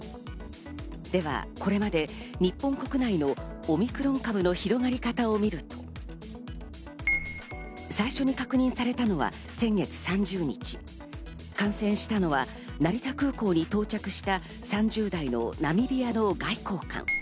ではこれまで日本国内のオミクロン株の広がり方を見ると、最初に確認されたのは先月３０日、感染したのは成田空港に到着した３０代のナミビアの外交官。